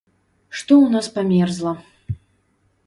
Што ў нас памерзла?